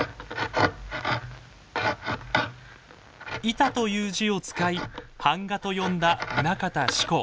「板」という字を使い板画と呼んだ棟方志功。